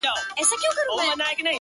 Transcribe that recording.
زما د ميني ليونيه؛ ستا خبر نه راځي؛